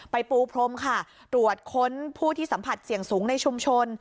ปูพรมค่ะตรวจค้นผู้ที่สัมผัสเสี่ยงสูงในชุมชน